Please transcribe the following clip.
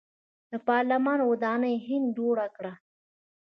د پارلمان ودانۍ هند جوړه کړه.